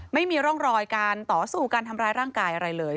ไม่มีร่องรอยการต่อสู้การทำร้ายร่างกายอะไรเลย